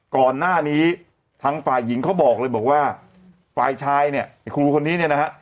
ก่อนหน้านี้ทางฝ่ายหญิงเขาบอกเลยบอกว่าฝ่ายชายเนี่ยไอ้ครูคนนี้เนี่ยนะฮะ